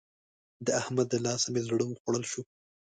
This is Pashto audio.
د احمد له لاسه مې زړه وخوړل شو.